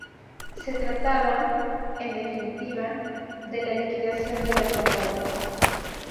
Se trataba, en definitiva, de la liquidación de las vanguardias.